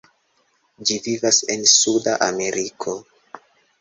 Ĝi vivas en Suda Ameriko.